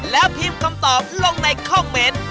แล้วพิมพ์คำตอบลงในคอมเมนต์